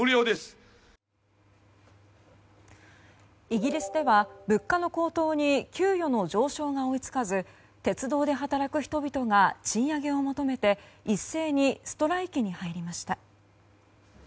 イギリスでは物価の高騰に給与の上昇が追いつかず鉄道で働く人々が賃上げを求めて一斉にストライキに入りました。